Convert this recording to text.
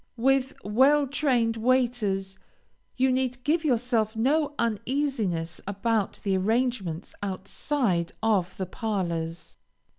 With well trained waiters, you need give yourself no uneasiness about the arrangements outside of the parlors.